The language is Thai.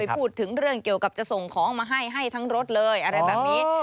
พูดถึงเรื่องเกี่ยวกับจะส่งของมาให้ให้ทั้งรถเลยอะไรแบบนี้